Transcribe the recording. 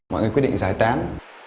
mọi người quyết định giải tán